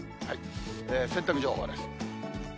洗濯情報です。